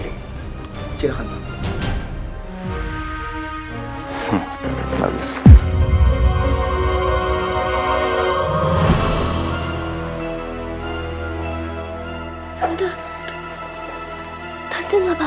mak tata serventating friend